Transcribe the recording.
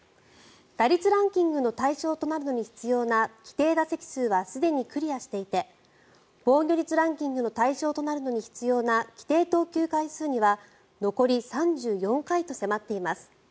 打率ランキングの対象となるのに必要な規定打席数はすでにクリアしていて防御率ランキングの対象になるのに必要な規定投球回数には残り３４回と迫っています。